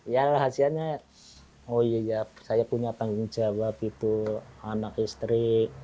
ya rahasianya oh iya ya saya punya tanggung jawab itu anak istri